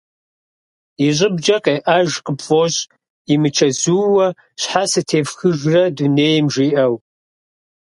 И щӏыбкӏэ къеӏэж къыпфӏощӏ «имычэзууэ щхьэ сытефхыжрэ дунейм?» жиӏэу.